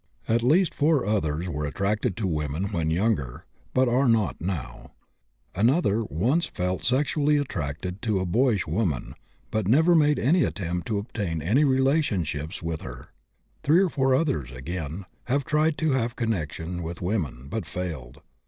At least four others were attracted to women when younger, but are not now; another once felt sexually attracted to a boyish woman, but never made any attempt to obtain any relationships with her; 3 or 4 others, again, have tried to have connection with women, but failed.